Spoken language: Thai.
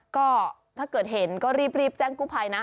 ก็ถ้าเกิดเห็นก็รีบแจ้งกู้ภัยนะ